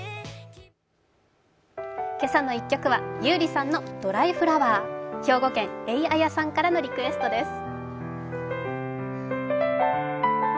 「けさの１曲」は優里さんの「ドライフラワー」兵庫県、えいあやさんからのリクエストです。